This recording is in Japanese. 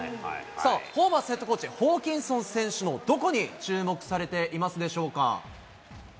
さあ、ホーバスヘッドコーチ、ホーキンソン選手のどこに注目されていますでしょうか。